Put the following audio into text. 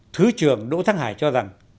thứ trưởng đỗ thắng hải cho rằng